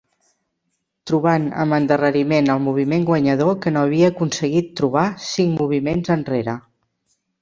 Trobant, amb endarreriment, el moviment guanyador que no havia aconseguit trobar cinc moviments enrere.